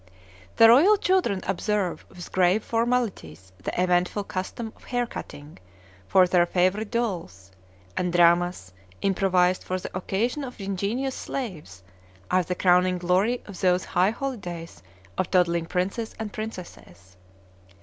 The royal children observe with grave formalities the eventful custom of "hair cutting" for their favorite dolls; and dramas, improvised for the occasion by ingenious slaves, are the crowning glory of those high holidays of toddling princes and princesses.